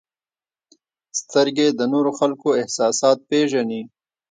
• سترګې د نورو خلکو احساسات پېژني.